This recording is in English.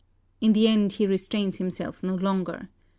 In the end he restrains himself no longer.